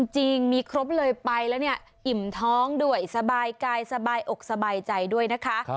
จริงมีครบเลยไปแล้วเนี่ยอิ่มท้องด้วยสบายกายสบายอกสบายใจด้วยนะคะ